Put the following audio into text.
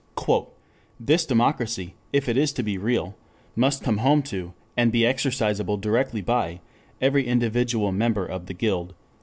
"This democracy if it is to be real, must come home to, and be exercisable directly by, every individual member of the Guild."